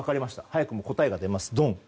早くも答えが出ます。